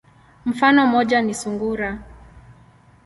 Mfano moja ni sungura.